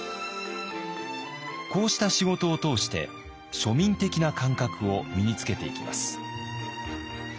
こうした仕事を通して庶民的な感覚を身につけていきます。